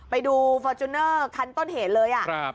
ไปดูฟอร์จูเนอร์คันต้นเหตุเลย